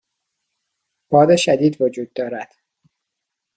باد شدید وجود دارد.